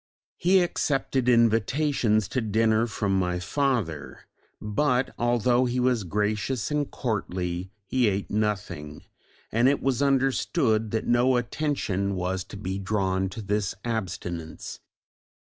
He accepted invitations to dinner from my father, but although he was gracious and courtly, he ate nothing, and it was understood that no attention was to be drawn to this abstinence.